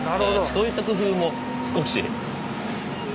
そういった工夫も少し。